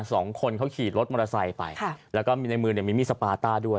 สองคนเขาขี่รถมอเตอร์ไซค์ไปค่ะแล้วก็มีในมือเนี่ยมีมีดสปาต้าด้วย